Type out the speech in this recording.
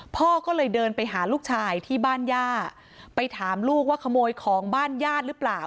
พ่อก็เลยเดินไปหาลูกชายที่บ้านย่าไปถามลูกว่าขโมยของบ้านญาติหรือเปล่า